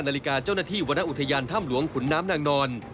นาฬิกาเจ้าหน้าที่วรรณอุทยานถ้ำหลวงขุนน้ำนางนอน